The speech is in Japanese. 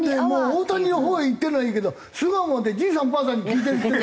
大谷のほうにいってるのはいいけど巣鴨でじいさんばあさんに聞いてるっていう。